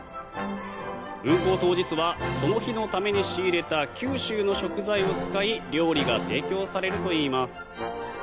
運行当日はその日のために仕入れた九州の食材を使い料理が提供されるといいます。